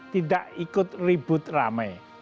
tidak ikut ribut rame